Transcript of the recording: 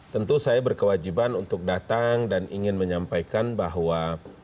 tentu saya berkewajiban untuk datang dan ingin menyampaikan bahwa